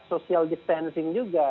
social distancing juga